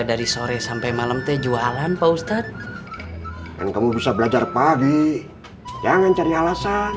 dari sore sampai malam teh jualan pak ustadz dan kamu bisa belajar pagi jangan cari alasan